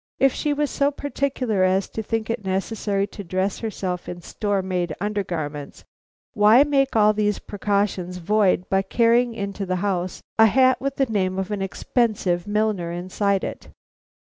If she was so particular as to think it necessary to dress herself in store made undergarments, why make all these precautions void by carrying into the house a hat with the name of an expensive milliner inside it?"